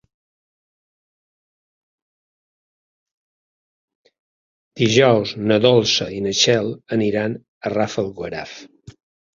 Dijous na Dolça i na Txell aniran a Rafelguaraf.